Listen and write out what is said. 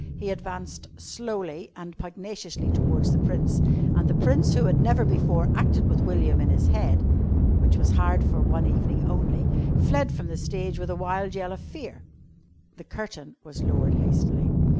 He advanced slowly and pugnaciously towards the Prince; and the Prince, who had never before acted with William in his head (which was hired for one evening only) fled from the stage with a wild yell of fear. The curtain was lowered hastily.